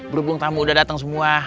berhubung tamu udah datang semua